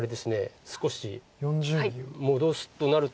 少し戻すとなると。